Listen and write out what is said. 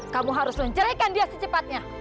kamu harus menceraikan dia secepatnya